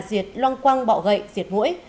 diệt loang quang bọ gậy diệt ngũi